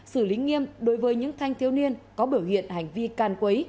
xử lý nghiêm đối với những thanh thiếu niên có biểu hiện hành vi can quấy